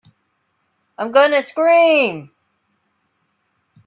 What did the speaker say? I'm going to scream!